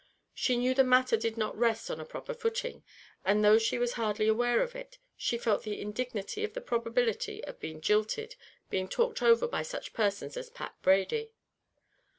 She knew the matter did not rest on a proper footing; and though she was hardly aware of it, she felt the indignity of the probability of being jilted being talked over by such persons as Pat Brady.